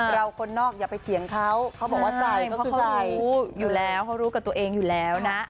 คนนอกอย่าไปเถียงเขาเขาบอกว่าใส่ก็คือใส่รู้อยู่แล้วเขารู้กับตัวเองอยู่แล้วนะ